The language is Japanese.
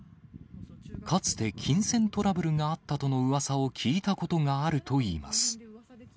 かつて金銭トラブルがあったとのうわさを聞いたことがあるといいます。